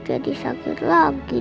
kalau nanti pada balik lagi